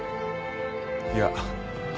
いや。